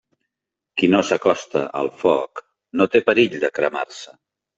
Qui no s'acosta al foc no té perill de cremar-se.